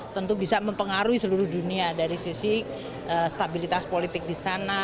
tentu bisa mempengaruhi seluruh dunia dari sisi stabilitas politik di sana